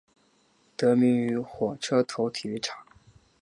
得名于火车头体育场。